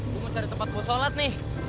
gue mau cari tempat gue sholat nih